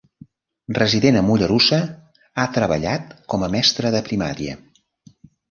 Resident a Mollerussa, ha treballat com a mestre de primària.